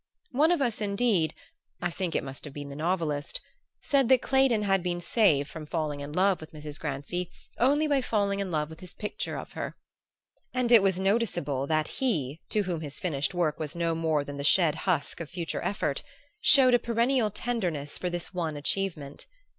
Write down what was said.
One of us, indeed I think it must have been the novelist said that Clayton had been saved from falling in love with Mrs. Grancy only by falling in love with his picture of her; and it was noticeable that he, to whom his finished work was no more than the shed husk of future effort, showed a perennial tenderness for this one achievement.